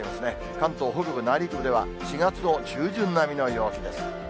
関東北部、内陸では、４月の中旬並みの陽気です。